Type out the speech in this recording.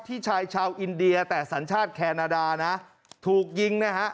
ชายชาวอินเดียแต่สัญชาติแคนาดานะถูกยิงนะฮะ